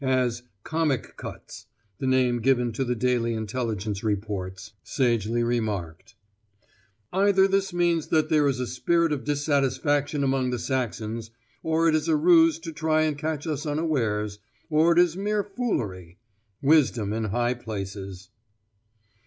As 'Comic Cuts' (the name given to the daily Intelligence Reports) sagely remarked, 'Either this means that there is a spirit of dissatisfaction among the Saxons, or it is a ruse to try and catch us unawares, or it is mere foolery.' Wisdom in high places!